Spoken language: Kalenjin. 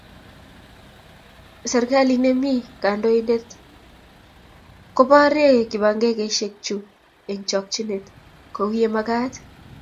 Serikali nemi kandoinatet koborie kibagengeisiek chu eng chokchinet kouye magat